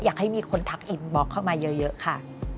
อยากให้มีคนทักอินบล็อกเข้ามาเยอะค่ะ